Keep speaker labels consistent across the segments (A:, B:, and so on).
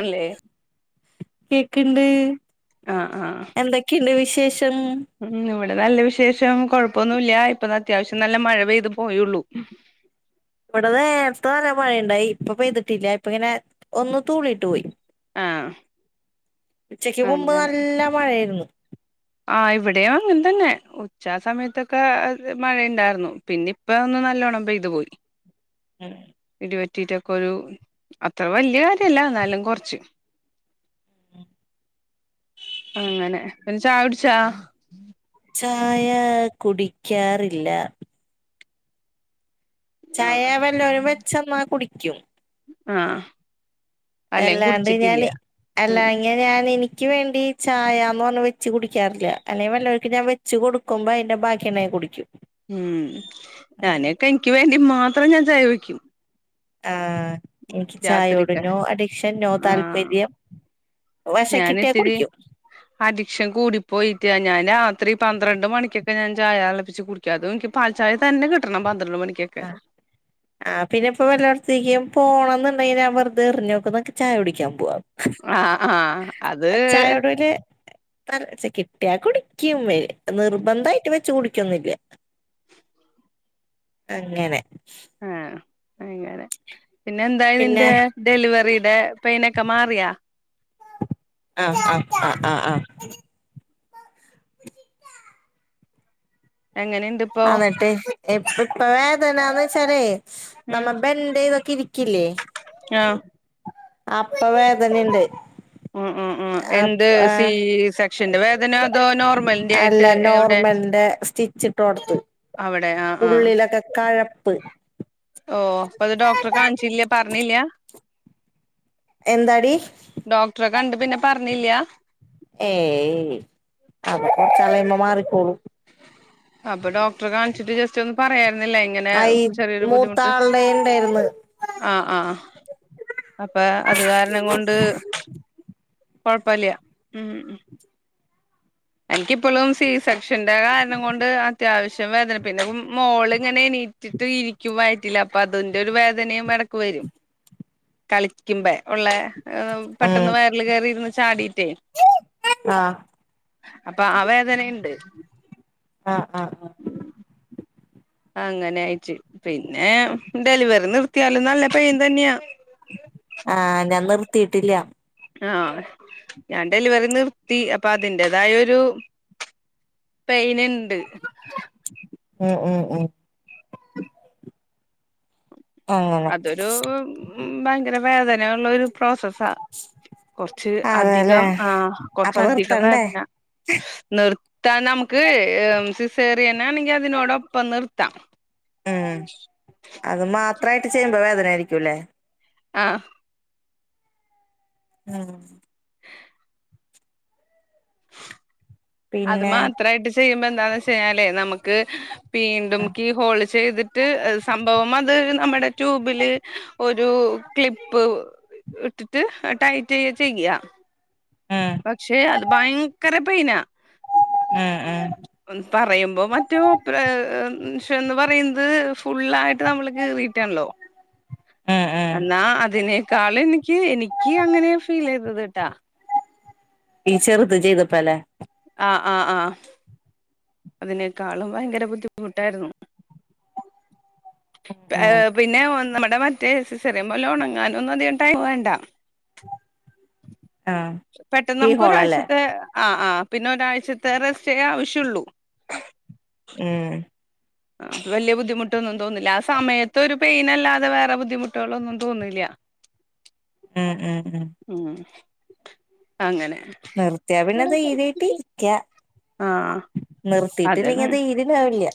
A: അല്ലേ
B: കേക്ക്ണ്ട്
A: ആഹ് ആഹ്
B: എന്തൊക്കെയുണ്ട് വിശേഷം?
A: ഉം ഇവിടെ നല്ല വിശേഷം കൊഴപ്പൊന്നുല്ല ഇപ്പൊ അത്യാവശ്യം നല്ല മഴ പെയ്ത് പോയുള്ളു.
B: ഇവിട നേര്ത്തെ നല്ല മഴയ്ണ്ടായി ഇപ്പൊ പെയ്തിട്ടില്ല ഇപ്പ ഇങ്ങനെ ഒന്ന് തൂളിയിട്ട് പോയി.
A: ആഹ്
B: ഉച്ചക്ക് മുമ്പ്
A: അങ്ങനെ
B: നല്ല മഴയാര്ന്നു.
A: ആഹ് ഇവിടേം അങ്ങൻതന്നേ ഉച്ചാ സമയത്തൊക്കെ മഴയിണ്ടാർന്നു പിന്നി ഇപ്പൊന്നു നല്ലോണം പെയ്തു പോയ്.
B: ഉം.
A: ഇടിവെറ്റീട്ടൊക്കൊരു അത്ര വല്ല്യ കാര്യല്ല എന്നാലും കൊർച്ച്.
B: ഉം.
A: അങ്ങനെ പിന്നെ ചായകുട്ച്ചോ?
B: ചായ കുടിക്കാറില്ല.
A: ആഹ്
B: ചായ വെല്ലോരും വെച്ചന്നാ കുടിക്കും.
A: ആഹ്. അല്ലെ
B: അല്ലാണ്ട്
A: കുടിച്ചിട്ടില്ല
B: ഞാന്
A: ഉം
B: അല്ലാങ്ങനെയാണെനിക്ക് വേണ്ടി. ചായാന്ന് പറഞ്ഞ് വെച്ച് കുടിക്കാറില്ല അല്ലെ വെല്ലവർക്കും ഞാൻ വെച്ച് കൊടുക്കുമ്പോ അയിന്റെ ബാക്കിണ്ടെ കുടിക്കും.
A: ഉം ഞാനക്കെ ൻക്ക് വേണ്ടി മാത്രം ഞാൻ ചായ വേയ്ക്കും.
B: ആഹ് എനിക്ക് ചായ്യോട്
A: രാത്രിക്ക്
B: നോ അഡിക്ഷൻ നോ
A: ആഹ്
B: താൽപര്യം.
A: ഞാനിത്തിരി. അഡീക്ഷൻ കൂടിപ്പോയിറ്റ് ഞാൻ രാത്രി പന്ത്രണ്ട് മണിക്കൊക്കെ ഞാൻ ചായാളപ്പിച്ച് കുടി ക്കതുഎൻക്ക് പൽചായതന്നെ കിട്ടണം പന്ത്രണ്ട് മണിക്ക്.
B: ആ ആഹ് പിന്നെപ്പൊ വല്ലടത്തേക്കും പോണംന്നുണ്ടെങ്കീഞാ വെറുതെ എറ്ഞ്ഞോക്കും നമ്ക്ക് ചായ കുടിക്കാൻ പോം.
A: ആഹ് ആഹ് അത്
B: ചായോടരു. പ്രാര് ചെ കിട്ടിയാക്കുടിക്കും വേ നിർബന്ധായിട്ട് വെച്ച് കുടിക്കൊന്നില്ല്യ. അങ്ങനെ.
A: ഉം അങ്ങനെ പിന്നെ എന്തായി
B: പിന്നെ
A: നിന്റെ. ഡെലിവറീടെ പെയ്നൊക്കെ മാറിയോ?
B: ആഹ് അം ആഹ് ആഹ് ആഹ്.
A: എങ്ങനെ.
B: അന്നിട്ട് ഇപ്പ ഇപ്പ വേദനാന്ന് വച്ചാലേ.
A: ഉം
B: നമ്മ ബെൻ്റൈതൊക്കെ ഇരിക്കില്ലേ.
A: ആഹ്.
B: അപ്പ വേദനയ്ണ്ട്.
A: ഊം ഊം ഊം. എന്ത് സി സെക്ഷന്റെ വേദന അതോ നോർമൽന്റെ ആയിട്ട് എവ്ടെ?
B: ചിട്ടോടത്ത് ഉള്ളിലൊക്കെ കഴപ്പ്.
A: ഓ അപ്പൊ അത് ഡോക്ട്റെ കാൺച്ചില്ല്യാ പർഞ്ഞില്ല.
B: എന്താടി
A: ഡോക്ടറെ കണ്ട് പിന്നെ പർഞില്ല്യാ?
B: ഏയ് അത് കൊർച്ചാള്യ്യുമ്പോ മാറിക്കോളും.
A: അപ്പൊ ഡോക്ട്രെ കാണിച്ചിട്ട് ജസ് റ്റൊന്നു പറയായ്രുന്നില്ലേ ഇങ്ങനെ
B: ആയി
A: ചെറിയൊരു ബുദ്ധിമുട്ട്.
B: മൂത്താളുടെ ഉണ്ടായിരുന്നു
A: ആഹ് ആഹ് അപ്പ അത് കാരണം കൊണ്ട്. കൊഴപ്പല്ല്യാ ഉം ഉം. എൻക്കിപ്പളും സി സെക്ഷന്റെ കാരണം കൊണ്ട് അത്യാവശ്യം വേദന. പിന്നെ മോള് ഇങ്ങനെ എണീറ്റിട്ട് ഇരിക്കും വയറ്റില് അപ്പൊ അതിന്റൊരു വേദനയും എടക്ക് വരും.
B: [inaudible]
A: കളിക്കുമ്പെ ഒള്ളെ
B: ഉം
A: പെട്ടെന്ന് വയർല് കേറിയിരുന്ന് ചാടിട്ടേ.
B: ആഹ്.
A: അപ്പ ആഹ് വേദനഇണ്ട്.
B: ആഹ് ആഹ് ആഹ്
A: അങ്ങനെആയിട്ട് പിന്നെ ഡെലിവറി നിർത്തിയാലും നല്ല പെയിൻ തന്നെയാ
B: ആഹ് ഞാൻ നിർത്തീട്ടില്ലാ
A: ആഹ് ഞാൻ ഡെലിവറി നിർത്തി അപ്പൊ അതിന്റേതായൊരു പെയ്ന്ണ്ട്
B: ഉം ഉം ഉം അങ്ങനെ
A: അതൊരു ഉം ഭയങ്കരവേദനയുള്ളൊരു പ്രോസസ്സാ കൊറ്ച്ച്
B: അതെല്ലേ
A: അധികം ആഹ്
B: അപ്പൊ നിർത്തണ്ടേ
A: കൊറ്ച്ചധികംവേദന നിർത്താനമുക്ക് ഹ് സിസേറിയനെണെങ്കി അതിനോടൊപ്പം നിർത്താം
B: ഉം അത് മാത്രയിട്ട്ചെയ്യ്മ്പോ വേദനായ്രിക്കുംല്ലേ?
A: ആഹ്
B: ഉം
A: അത്
B: പിന്നെ
A: മാത്രായിട്ട്ചെയ്യുമ്പോന്താന്ന് വെച്ച്യ്ഞാലെയ് നമുക്ക്
B: ഉം
A: വീണ്ടുംക്കിഹോള് ചെയ്ത്ട്ട് സംഭവംഅത് നമ്മ്ടെട്യൂബില് ഒരുക്ലിപ്പ് ഇട്ടിട്ട് ടൈറ്റെയ്യ ചെയ്യാ
B: എഹ്
A: പക്ഷെഅത് ഭയങ്കരപെയ്നാ
B: ഉം ഉം
A: പറയുമ്പോ മറ്റോ മൂപ്പര് ഷ്യന്ന് പറയന്ന് ഫുള്ളായിട്ട് മ്മള് കേറീട് റ്റെൺല്ലോ
B: ഉം ഉം
A: എന്നാ അതിനേക്കാള് എനിക്ക് എനിക്ക് അങ്ങനെഫീലെയ്തത്ട്ടാ
B: ഈ ചെറുത് ചെയ്തപ്പലെ
A: ആഹ് ആഹ് ആഹ് അതിനേക്കാളും ഭയങ്കരബുദ്ധിമുട്ടായ്രുന്നു
B: ഉം
A: പിന്നെ ഒന്നമ്മ്ടെ മറ്റേ സിസെറിൻപോലെ ഉണങ്ങാനൊന്നും അധികംടൈംവേണ്ട
B: [inaudible]
A: പെട്ടെന്ന
B: കീ ഹോളല്ലേ
A: മ്മുക്കൊരാഴ്ച്ചത്തെ ആഹ് ആഹ് പിന്നെഒരാഴ്ചത്തെറെസ്റ്റ്ക്കെ ആവ്ശ്യോള്ളൂ
B: ഉംഹ്
A: വെല്ല്യബുദ്ധിമുട്ടൊന്നും തോന്ന്ല്ല ആ സമയത്തൊരുവ പെയിനല്ലാതെ വേറെബുദ്ധിമുട്ടുകളൊന്നും തോന്നൂല്ല്യ
B: ഉം ഉം ഉം
A: ഉം അങ്ങനെ
B: നിർത്തിയാപിന്നെ ദൈരീയ്ട്ട് രിക്ക്യ
A: ആഹ് അതാണ്
B: നിർത്തിട്ടില്ലെങ്കിഅത് ണ്ടവില്ല്യ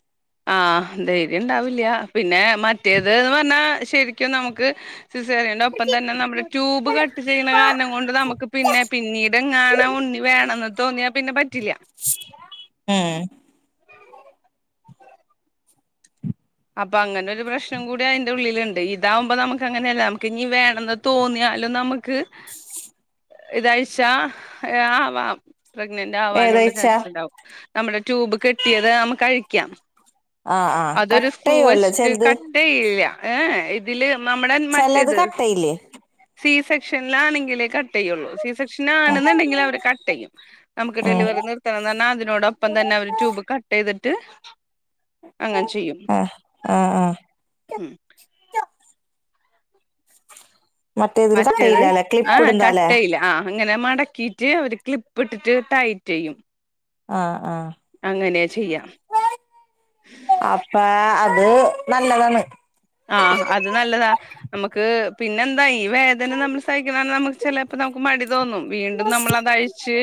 A: ആഹ് ധൈര്യംണ്ടാവില്ല്യ പിന്നെ മറ്റേത് ന്ന്റഞ്ഞാ ശരിക്കുംനമുക്ക് സിസേറിയെന്റൊപ്പംതന്നെ നമ്മ്ടെട്യൂബ്കട്ട് ചെയ്യ്ണ കാരണംകൊണ്ട് നമുക്ക്പിന്നെ പിന്നീ [unintelligible] ഉണ്ണിവേണന്ന് തോന്നിയാപിന്നെ പറ്റില്ല്യ
B: ആഹ്
A: അപ്പൊങ്ങനൊരു പ്രശ്നംകൂടി അയിന്റെഉള്ളില്ണ്ട് ഇ ഇതാവുമ്പോ നമ്മ്ക്ക് അങ്ങനെയല്ല നമ്മ്ക്ക് ഇഞ്ഞി വേണന്ന് തോന്നിയാലും നമ്മ്ക്ക് ഇതഴ്ച ഹ് ആവാം പ്രഗ്ന്ന്റേവാനുള്ള
B: ഏതാഴ്ച്ച
A: ചാൻസ്ണ്ടാവും നമ്മ്ടെ ട്യൂബ് കെട്ടിയത് നമ്മുക്ക്ഴിക്കാം
B: ആഹ് ആഹ് കട്ടയ്യൊലോ ചെൽത്
A: ചെയ്യ്ല ഏഹെ ഇതില്
B: ചെലത്
A: നമ്മ്ടെമറ്റേത്
B: കട്ടയില്ലേ
A: സി സെക്ഷൻലാണെങ്കിലേ കട്ടെയ്യൊള്ളൂ സി സെക്ഷൻ ആണ്ന്ന്ണ്ടെങ്കിലവര് കട്ട്യ്യും
B: ഉം
A: നമ്മ്ക്ക്ഡെലിവറി നിർ [unintelligible] അതിനോടൊപ്പംതന്നെ അവര് ട്യൂബ് കട്ട്യ്തിട്ട് അങ്ങനെചെയ്യും
B: അഹ് ആഹ് ആഹ്
A: ഉം
B: മറ്റേതിൽ
A: മറ്റേത്
B: കട്ടയില്ലാല്ലേ ക്ലിപ്പ്
A: ആഹ്
B: ഇടുന്താല്ലേ
A: കട്ടയ്ല ആഹ് അങ്ങനെ മടക്കിയിട്ട് അവര്ക്ലിപ്പ് ഇട്ടിട്ട് ടൈറ്റ്യ്യും
B: ആഹ് ആഹ്
A: അങ്ങനെചെയ്യ
B: അപ്പാഅത് നല്ലതാണ്
A: ആഹ് അത് നല്ലതാ നമ്മ ക്ക് പിന്നെന്താ ഈവേ അന്നെ നമ്മൾ സഹിക്കണം നമുക്ക് ചിലപ്പോ നമുക്ക് മടി തോന്നും വീണ്ടും നമ്മള് അതഴിച്ച്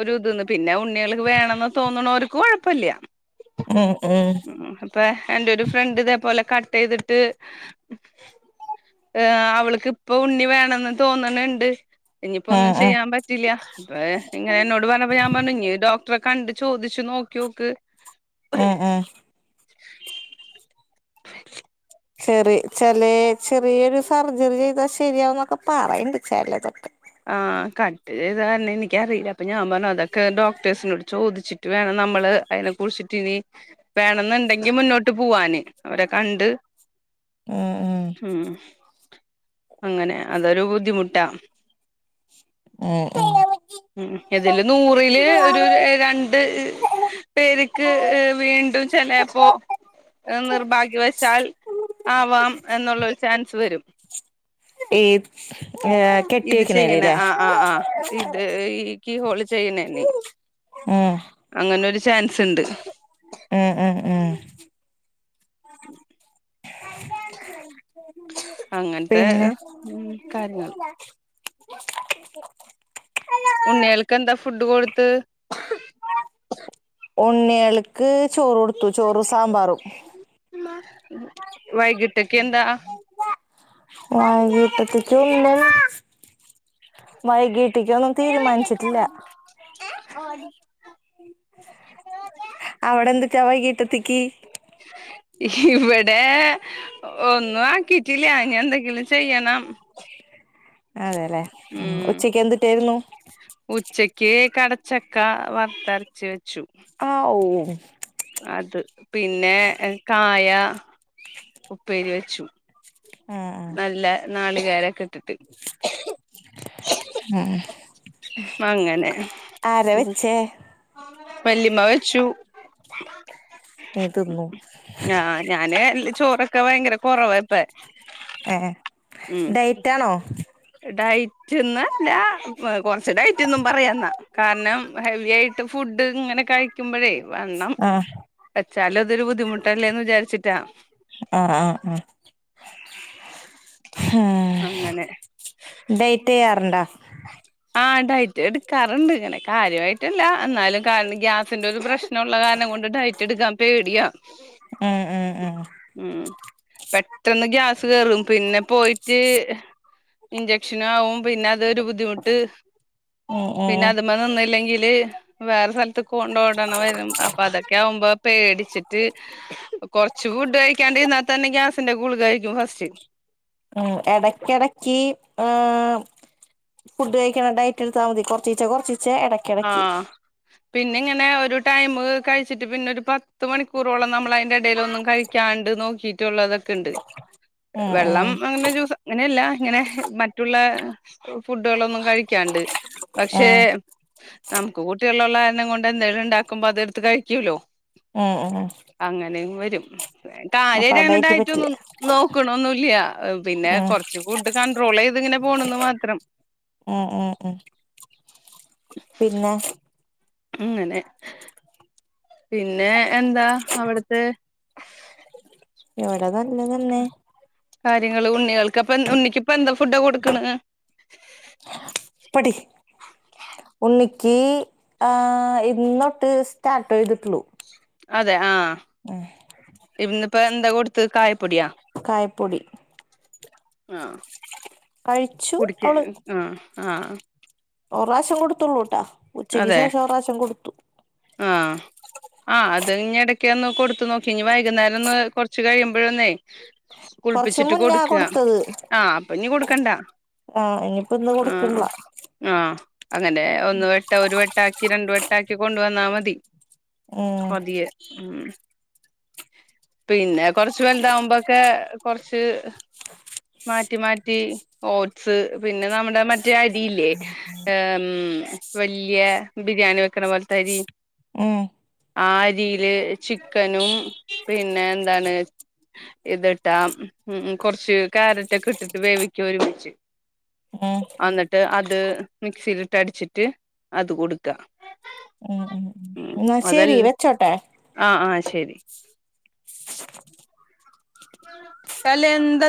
A: ഒരുതന്ന് പിന്നെ ഉണ്ണികൾ വേണന്ന് തോന്നണോ ർക്ക് കുഴപ്പി ല്ല
B: ഉം ഉം
A: പ്പ എന്റെ ഒരു ഫ്രണ്ട് ഇതേപോലെ കട്ട് ചെയ്തിട്ട് അവൾക്ക് ഇപ്പ ഉണ്ണി വേണംന്ന് തോന്നണുണ്ട് ഇനിയിപ്പോ
B: ഉം
A: ഒന്നും
B: ഉം
A: ചെയ്യാൻ പറ്റ പറ്റില്ല അപ്പ ഇങ്ങനെ എന്നോട് പറഞ്ഞപ്പോ ഞാൻ പറഞ്ഞു ഡോക്ടറെ കണ്ട് ചോദിച്ചു നോക്കിയൊ ക്ക്
B: ആഹ് ആഹ് ചെറിയ ചില ചെറിയൊരു സർജറി ചെയ്താൽ ശരിയാവുംന്നൊക്കെ പറയണ്ട് ചിലതൊട്ടെ
A: ആഹ് കട്ട് ചൈതല്ലെ എനിക്കറിയില്ല അപ്പൊ ഞാൻ പറഞ്ഞു അതൊക്കെ ഡോക്ടേഴ്സിനോട് ചോദിച്ചിട്ട് വേണം നമ്മള് അതിനെ കുറിച്ചിട്ട് ഇനി വേണെന്നുണ്ടെങ്കി മുന്നോട്ട് പോവാാന് അവരെ കണ്ട്
B: ഉം ഉം
A: ഉം അങ്ങനെ അതൊരു ബുദ്ധിമുട്ടാ
B: ഏഹ്
A: ഉം ഇതില് നൂറില് ഒരു രണ്ട് പെര് ക്ക്‌ വീണ്ടും ചിലപ്പോ നിർഭാഗ്യവശാൽ ആവാം എന്നുള്ളരു ചാൻസ് വരും
B: ഏത്
A: ഇത് ചെയ്യണ ആഹ് ആഹ് ആഹ് ഇത് ഈ കീ ഹോള് ചെയ്യണേെന്
B: ആഹ്
A: അങ്ങനെൊരു ചാൻസ് ഉണ്ട്
B: ഉം ഉം ഉം
A: അങ്ങനത്തെ
B: പിന്നെ
A: ഉം കാര്യങ്ങൾ ഉണ്ണികൾക്ക്ന്താ ഫുഡ് കൊടുത്ത്
B: ഉണ്ണികൾക്ക് ചോറ് കൊടുത്തു ചോറും സാമ്പാറും
A: വൈകിട്ടക്കെന്താ
B: [unintelligible] വൈകീട്ട് ക്ക് ഒന്നും തീരുമാനിച്ചിട്ടില്ല
A: [inaudible]
B: അവിടെ എന്തക്കാ വൈകീട്ടത്തേക്ക്
A: ഇവിടെ ഒന്നും ആക്കിട്ടില്ല ഇനി എന്തെ ങ്കിലും ചെയ്യണം
B: അതെല്ലേ
A: ഉം
B: ഉച്ചക്ക് എന്തിട്ടായിരുന്നു
A: ഉച്ചക്ക് കടച്ചക്ക വറത്തരച്ച് വെച്ചു
B: ആഹ് ഹൂ
A: അത് പിന്നെ കായ ഉപ്പേരി വെച്ചു
B: ആഹ്
A: നല്ല നാളികേരൊക്കെ ഇട്ടിട്ട്
B: ആഹ്
A: അങ്ങനെ
B: ആരാ വെച്ചേ
A: വല്ലിമ്മ വച്ചു
B: നീ തിന്നു
A: ഞാന് ചോറൊക്കെ ഭയങ്കര കുറവാ ഇപ്പ
B: ഏഹ് ഡയറ്റാണോ
A: ഡയറ്റ് ഒന്നും അല്ല കുറച്ച് ഡയറ്റ് ന്നും പറയാന്നാ കാരണം ഹെവി ഫുഡ് ഇങ്ങനെ കഴിക്കുമ്പോഴേ വണ്ണം
B: ആഹ്
A: വെച്ചാലും അതൊരു ബുദ്ധിമുട്ടല്ലേന്ന് വിചാരിച്ചിട്ടാ.
B: ആഹ് ആഹ് ആഹ്ഹം
A: അങ്ങനെ
B: ഡൈറ്റ് ചെയ്യാറുണ്ടോ?
A: ആ ഡയറ്റ് എടുക്കാറുണ്ട് ഇങ്ങനെ കാര്യമായിട്ടല്ല എന്നാലും കാരണം ഗ്യാസിന്റെ ഒരു പ്രശ്നമുള്ള കാരണം കൊണ്ട് ഡയറ്റ് [unintelligible]
B: ഉം ഉം ഉം
A: ഉം പെട്ടന്ന് ഗ്യാസ് കേറും പിന്നെ പോയിറ്റ് ഇഞ്ചെക്ഷനാകും പിന്നെ അതൊരു ബുദ്ധിമുട്ട്.
B: ഉം
A: പിന്നെ
B: ഉം
A: അത് ഇമ്മന്നൊന്നില്ലെങ്കില്. വേറെ സ്ഥലത്ത് കൊണ്ടോഓടണ് വരും അപ്പൊ അതൊക്കെ ആകുമ്പോ പേടിച്ചിട്ട്. കൊറച്ച് ഫുഡ് കഴിക്കൻഉടകിൽ തന്നെ ഗ്യാസിന്റെ ഗുളിക കഴിക്കും ഫസ്റ്റ്.
B: ഉ ഇടക്കിടക്ക് ഏ ഫുഡ് കഴിക്കണ ഡയറ്റ് എടുത്താൽ മതി. കൊറച്ചീച്ച കൊറച്ചീച്ച ഇടയ്.
A: ആഹ പിന്ന ഇങ്ങനെ ഒരു ടൈം കഴിച്ചിട്ട് പിന്നെ ഒരു പത്ത് മണിക്കൂറോളം നമ്മൾ അതി ട ഒന്നും കഴിക്കാണ്ട് നോക്കിയിട്ടുള്ളതൊക്കെ ഉണ്ട്.
B: ഉം
A: വെള്ളം
B: ഉം
A: അങ്ങനെ അങ്ങനെയല്ല ഇങ്ങനെ മറ്റുള്ള ഫുഡുകളൊന്നും കഴിക്കാണ്ട്. പക്ഷേ നമുക്ക് കൂട്ടികളുള്ള കാരണം കൊണ്ട് എന്തെങ്കിലും ഉ ണ്ടാക്കുമ്പോ അതെടുത്ത് കഴിക്കൂല്ലോ
B: ഉം ഉം
A: അങ്ങനെ വരും
B: അപ്പൊ
A: കാര്യയിട്ടങ്ങനെ
B: അടായിട്ട്
A: ഡയറ്റ്
B: പറ്റില്ല
A: നും നോക്കണൊന്നില്ല പിന്നെ
B: ഉം
A: കുറച്ച് ഫുഡ് കൺണ്ട്രോൾ ചെയ്ത് ഇങ്ങനെ പോണന്ന് മാത്രം.
B: ആ ആ ഉ
A: ഉ
B: പിന്നെ
A: ഇങ്ങനെ പിന്നെ എന്താ അവിടുത്തെ
B: എവിടെ നല്ല തെന്നെ.
A: കാര്യങ്ങളൾ ഉണ്ണികൾക്ക്പ്പ ഉണ്ണിക്കിപ്പ എന്താ ഫുഡ് കൊടുക്കണ്.
B: പടി ഉണ്ണിക്ക് ഇന്നോട്ട്. സ്റ്റാർട്ട് ചെയ്തിട്ടുള്ളൂ.
A: അതെ ആഹ
B: ആ
A: ഇന്ന് ഇപ്പോ എന്താ കൊടുത്ത് കായപ്പൊടിയാ.
B: കായപ്പൊടി
A: ആഹ
B: കഴിച്ചു
A: കുടിക്ക് ആഹ ആഹ
B: ഒരു പ്രാവശ്യം കൊടുത്തുള്ളൂ ട്ടാ ഉച്ചയ്ക്ക്
A: അതെ
B: ശേഷംഒരു പ്രാവശ്യം കൊടുത്തു.
A: ആഹ് ആ് അത് ഇനി ഇടക്കൊന്ന് കൊടുത്തു നോക്കി. ഇനി വൈകുന്നേരം ഒന്ന് കൊറച്ച് കഴിയുമ്പോഴൊന്നേ.
B: കൊറച്ച്
A: കുളിപ്പിച്ചിട്ട്
B: മുന്നാ
A: കൊടുക്കുക
B: കൊടുത്തത്
A: ആഹ അപ്പൊ ഇനി കൊടുക്കണ്ടാ.
B: ആ ഇനിയിപ്പോ ഇന്ന്
A: ആഹ
B: കൊടുക്കണില്ല
A: ആഹ അങ്ങനെ ഒന്ന് വെട്ടാ ഒരു വെട്ടാക്കി രണ്ട് വെട്ടാക്കി കൊണ്ട് വന്നാ മതി.
B: ഉം
A: പതിയെ ഉം പിന്നെ കൊറച്ച് വലുതകുമ്പോഴൊ ക്കെ കുറച്ച്. മാറ്റി മാറ്റി ഓട്സ് പിന്നെ നമ്മുടെ മറ്റേ ല്ലേ വലിയ ബിരിയാണി വെക്കണ പോലത് അരി.
B: ഉം
A: ആരിയില് ചിക്കനും പിന്നെ എന്താണ്. ഇതിട്ടാ ഉ കൊറച്ച് ക്യാരറ്റ് ഒക്കെ ഇട്ടിട്ട് വേവിക്ക ഒരുമിച്ച്.
B: ഉം
A: എന്നിട്ട് അത് മിക്സിയിലിട്ട് അടിച്ചിട്ട് അത് കൊടുക്കാം.
B: ഉം ഉം ഉ എന്നാ ശെരി വെച്ചോട്ടെ?
A: ആ ആഹ ശരി അലെന്ത [unintelligible]